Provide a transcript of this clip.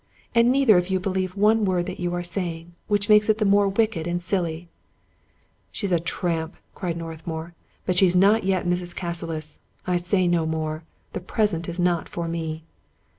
And neither of you believe one word that you are saying, which makes it the more wicked and silly." " She's a trump I " cried Northmour. " But she's not yet Mrs. Cassilis. I say no more. The present is not for me."